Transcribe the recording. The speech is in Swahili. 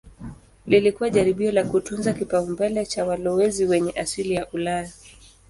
Lilikuwa jaribio la kutunza kipaumbele cha walowezi wenye asili ya Ulaya.